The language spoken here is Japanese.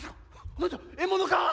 なんじゃ獲物か？